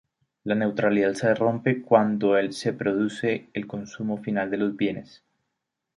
La neutralidad se rompe cuando se produce el consumo final de los bienes.